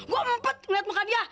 gue mumpet ngeliat muka dia